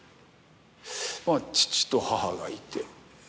まぁ父と母がいて。